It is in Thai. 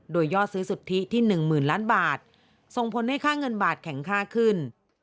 โดยยอดซื้อสุทธิที่๑๐๐๐ล้านบาทส่งผลให้ค่าเงินบาทแข็งค่าขึ้น